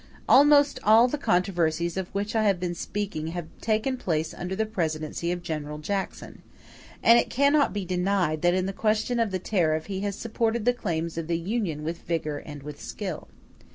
Almost all the controversies of which I have been speaking have taken place under the Presidency of General Jackson; and it cannot be denied that in the question of the tariff he has supported the claims of the Union with vigor and with skill.